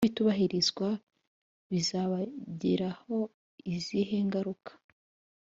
Nibitubahirizwa bizabagiraho izihe ngaruka?